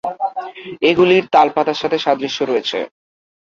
এগুলির তাল পাতার সাথে সাদৃশ্য রয়েছে।